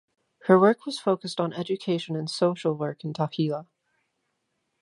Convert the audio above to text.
Her work was focused on education and social work in Taxila.